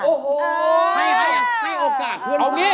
อ้อออออออออใช่คุยโอก่าขึ้นเพราะแบบนี้